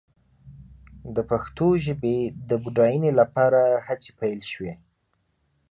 د پښتو ژبې د بډاینې لپاره هڅې پيل شوې.